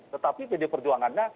tetapi pd perjuangannya